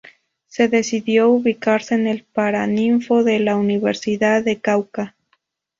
Se decidió ubicarse en el paraninfo de la Universidad del Cauca.